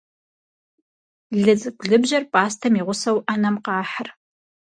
Лыцӏыкӏу лыбжьэр пӏастэм и гъусэу ӏэнэм къахьыр.